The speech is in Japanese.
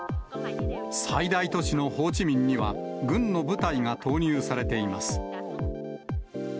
最大都市のホーチミンには、軍の部隊が投入されています。